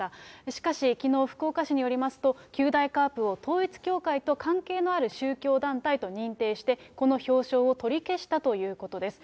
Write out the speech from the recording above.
しかしきのう、福岡市によりますと、九大カープを統一教会と関係のある宗教団体と認定して、この表彰を取り消したということです。